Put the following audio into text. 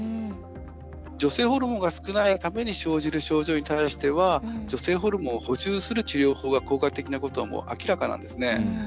女性ホルモンが少ないために生じる症状に対しては女性ホルモンを補充する治療法が効果的なことは明らかなんですね。